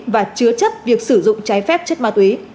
và chứa chấp việc sử dụng cháy phép chất ma tuế